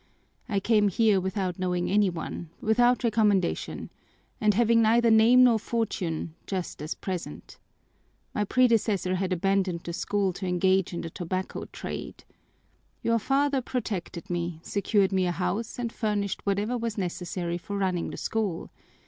I came here without knowing any one, without recommendation, and having neither name nor fortune, just as at present. My predecessor had abandoned the school to engage in the tobacco trade. Your father protected me, secured me a house, and furnished whatever was necessary for running the school.